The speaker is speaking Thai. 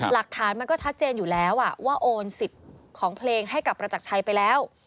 หลักฐานมันก็ชัดเจนอยู่แล้วว่าโอนสิทธิ์ของเพลงให้กับประจักรชัยไปแล้ว